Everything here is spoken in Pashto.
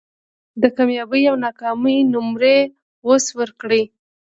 د کامیابۍ او ناکامۍ نمرې ولس ورکړي